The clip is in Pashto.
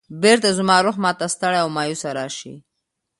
بېرته زما روح ما ته ستړی او مایوسه راشي.